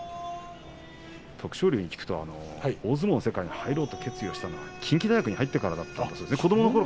徳勝龍に聞くと大相撲の世界に入ろうと決意したのは近畿大学に入ってからだったそうですね。